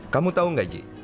kamu tahu nggak ji